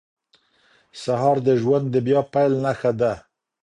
سهار د ژوند د بیا پیل نښه ده.